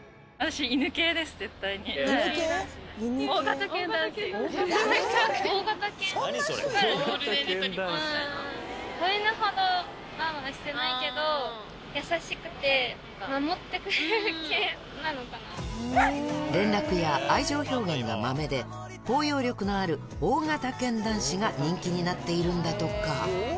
子犬ほどわーわーしてないけど、連絡や愛情表現がまめで、包容力のある大型犬男子が人気になっているんだとか。